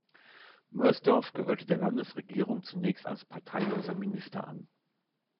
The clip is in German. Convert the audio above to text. Mörsdorf gehörte der Landesregierung zunächst als parteiloser Minister an.